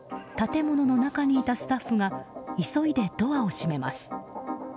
建物の中にいたスタッフが急いでドアを閉めます。